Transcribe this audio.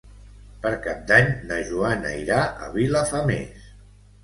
Per Cap d'Any na Joana irà a Vilafamés.